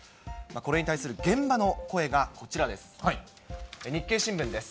これに対する現場の声がこちらです。